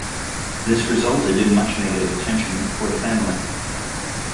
This resulted in much negative attention for the family.